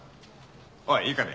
おいいいかね